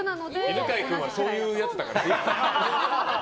犬飼君はそういうやつだから。